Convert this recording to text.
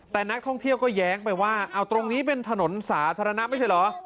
แต่นักท่องเที่ยวก็แย้งไปว่าเอาตรงนี้เป็นถนนสาธารณะไม่ใช่เหรอ